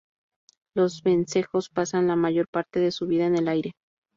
Los vencejos pasan la mayor parte de su vida en el aire.